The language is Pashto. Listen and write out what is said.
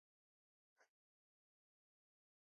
طبیعي زیرمې د افغانستان د اوږدمهاله پایښت لپاره مهم رول لري.